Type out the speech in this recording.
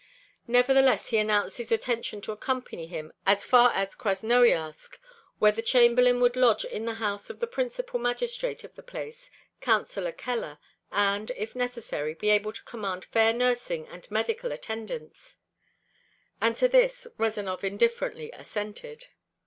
Nevertheless, he announced his intention to accompany him as far as Krasnoiarsk, where the Chamberlain could lodge in the house of the principal magistrate of the place, Counselor Keller, and, if necessary, be able to command fair nursing and medical attendance; and to this Rezanov indifferently assented.